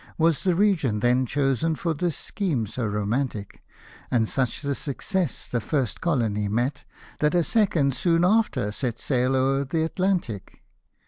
Was the region then chosen for this scheme so romantic ; And such the success the first colony met, That a second, soon after, set sail o'er th' Atlantic.